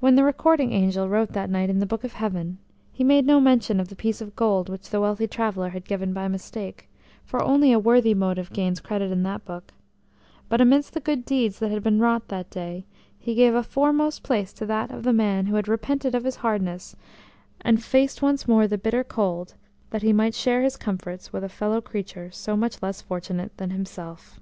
When the recording angel wrote that night in the Book of Heaven, he made no mention of the piece of gold which the wealthy traveller had given by mistake, for only a worthy motive gains credit in that Book; but amidst the good deeds that had been wrought that day, he gave a foremost place to that of the man who had repented of his hardness and faced once more the bitter cold that he might share his comforts with a fellow creature so much less fortunate than himself.